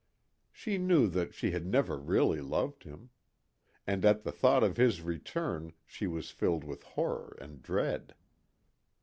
She knew that she had never really loved him. And at the thought of his return she was filled with horror and dread.